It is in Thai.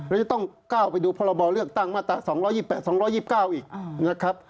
แล้วจะต้องก้าวไปดูพรบเลือกตั้งมาตรา๒๒๘๒๒๙อีกนะครับ